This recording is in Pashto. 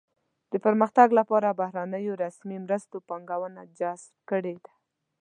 د پرمختګ لپاره بهرنیو رسمي مرستو پانګونه جذب کړې ده.